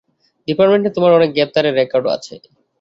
ডিপার্টমেন্টে তোমার অনেক গ্রেপ্তারের রেকর্ডও আছে।